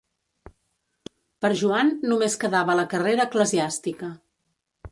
Per Joan només quedava la carrera eclesiàstica.